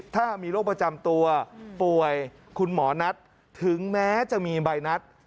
ถ้ามีโรคประจำตัวป่วยคุณหมอนัทถึงแม้จะมีใบนัด